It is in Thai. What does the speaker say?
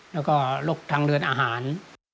แล้วก็โรคทางเรือนอาหาร